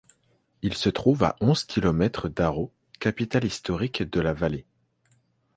Il se trouve à onze kilomètres d’Arreau, capitale historique de la vallée.